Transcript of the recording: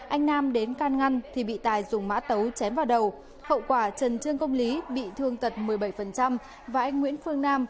anh nam đến can ngăn thì bị tài dùng mã tấu chém vào đầu hậu quả trần trương công lý bị thương tật một mươi bảy và anh nguyễn phương nam